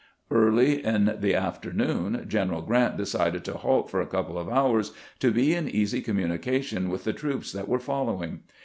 Early in the afternoon General Grant decided to halt for a couple of hours, to be in easy communication with the troops that were following.